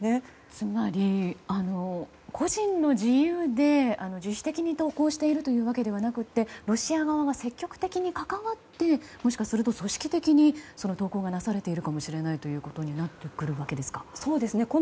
つまり、個人の自由で自主的に投稿しているわけではなくてロシア側が積極的に関わってもしかすると組織的に投稿がされているかもしれないということですか。